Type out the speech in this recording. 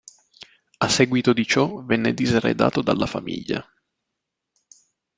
A seguito di ciò venne diseredato dalla famiglia.